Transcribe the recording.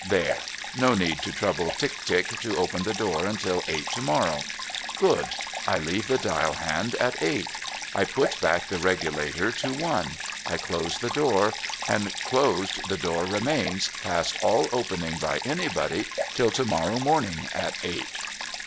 There ! No need to trouble Tick Tick to open the door until eight to morrow. Good ! I leave the dial hand at eight ; I put back the regulator to L ; I close the door ; and closed the door remains, past all opening by anybody, till to morrow morning at eight.'